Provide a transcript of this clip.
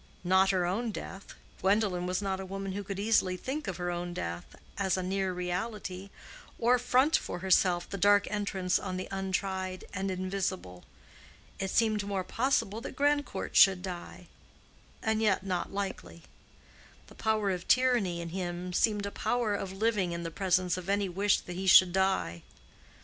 Not her own death. Gwendolen was not a woman who could easily think of her own death as a near reality, or front for herself the dark entrance on the untried and invisible. It seemed more possible that Grandcourt should die:—and yet not likely. The power of tyranny in him seemed a power of living in the presence of any wish that he should die.